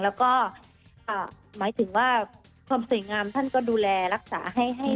แล้วก็หมายถึงว่าความสวยงามท่านก็ดูแลรักษาให้